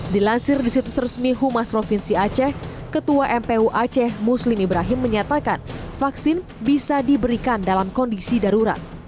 dilansir di situs resmi humas provinsi aceh ketua mpu aceh muslim ibrahim menyatakan vaksin bisa diberikan dalam kondisi darurat